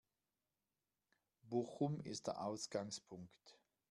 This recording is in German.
Bochum ist der Ausgangspunkt.